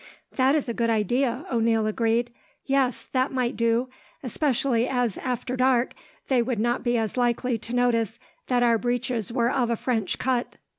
"That is a good idea," O'Neil agreed. "Yes, that might do, especially as, after dark, they would not be likely to notice that our breeches were of a French cut."